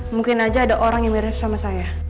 mungkin aja ada orang yang mirip sama saya